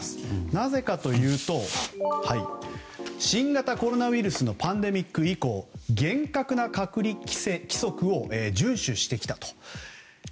なぜかというと新型コロナウイルスのパンデミック以降厳格な隔離規則を遵守してきたと。